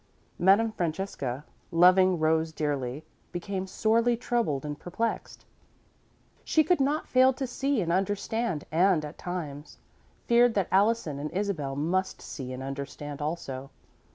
Madame Francesca, loving Rose dearly, became sorely troubled and perplexed. She could not fail to see and understand, and, at times, feared that Allison and Isabel must see and understand also.